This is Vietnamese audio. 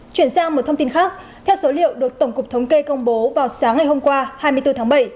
chuyển sang một thông tin khác theo số liệu được tổng cục thống kê công bố vào sáng ngày hôm qua hai mươi bốn tháng bảy